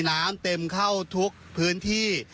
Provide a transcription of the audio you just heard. น้ำเต็มเข้าทุกพื้นที่